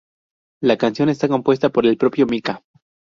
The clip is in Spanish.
La canción está compuesta por el propio Mika.